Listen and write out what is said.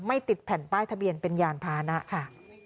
ติดแผ่นป้ายทะเบียนเป็นยานพานะค่ะ